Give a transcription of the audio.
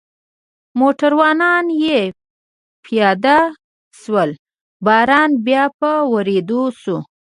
موټروانان یې پیاده شول، باران بیا په ورېدو شو.